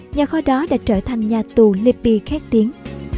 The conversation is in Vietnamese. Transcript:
nhà kho đó đã trở thành nhà tù lippie khét tiếng